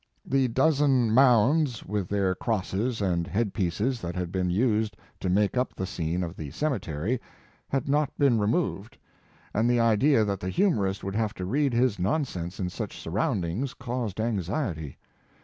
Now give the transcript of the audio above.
The dozen mounds, with their crosses and head pieces that had been used to make up the scene of the ceme tery, had not been removed, and the idea that the humorist would have to read his nonsense in such surroundings caused anxiety.